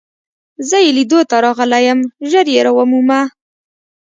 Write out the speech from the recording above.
زه يې لیدو ته راغلی یم، ژر يې را ومومه.